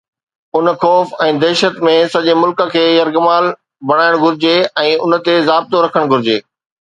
ان خوف ۽ دهشت ۾ سڄي ملڪ کي يرغمال بڻائڻ گهرجي ۽ ان تي ضابطو رکڻ گهرجي